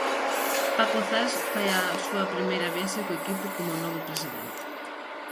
Paco Zas fai a súa primeira viaxe co equipo como novo presidente.